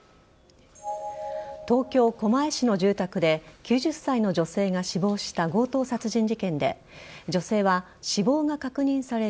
東京・狛江市の住宅で９０歳の女性が死亡した強盗殺人事件で女性は死亡が確認される